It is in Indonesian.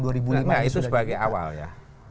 nah itu sebagai awal ya